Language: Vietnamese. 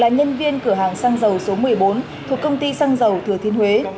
nhân viên cửa hàng xăng dầu số một mươi bốn thuộc công ty xăng dầu thừa thiên huế